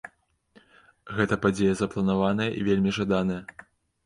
Гэта падзея запланаваная і вельмі жаданая.